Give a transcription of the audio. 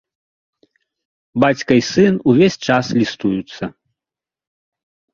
Бацька і сын увесь час лістуюцца.